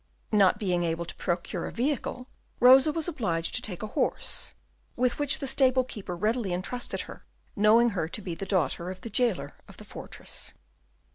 Not being able to procure a vehicle, Rosa was obliged to take a horse, with which the stable keeper readily intrusted her, knowing her to be the daughter of the jailer of the fortress.